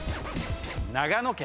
長野県。